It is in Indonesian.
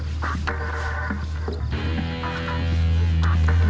sebenernya lo anak yang mana sih